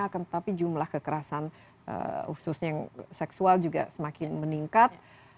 akan tetapi jumlah kekerasan khususnya yang seksual juga semakin meningkat